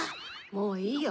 もういいよ。